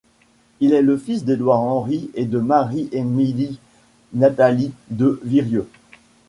Il est le fils d'Édouard-Henri et de Marie-Émilie-Nathalie de Virieu.